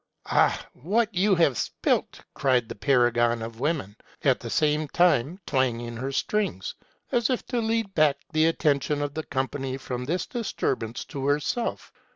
* Ah, what you have spilt !' cried the paragon of women ; at the same time twanging her strings, as if to lead back the atten tion of the company from this disturbance to herself.